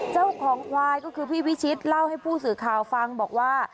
เจ้าของควายก็คือพี่วิชิตเล่าให้ผู้สื่อข่าวฟังบอกว่า